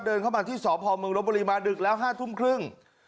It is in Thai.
เดินเข้ามาที่สพเมืองรบบุรีมาดึกแล้ว๕ทุ่มครึ่ง